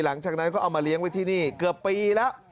หลังจากนั้นก็เอามาเลี้ยงไว้ที่นี่เกือบปีแล้ว